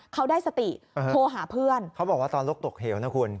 เขาได้สติโทรหาเพื่อนเขาบอกว่าตอนลกตกเหวนะคุณ